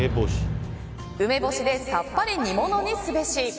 梅干しでさっぱり煮物にすべし。